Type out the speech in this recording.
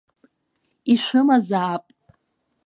Ишәымазаап.